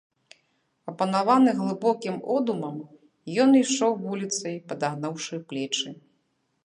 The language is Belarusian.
Апанаваны глыбокім одумам, ён ішоў вуліцай, падагнуўшы плечы.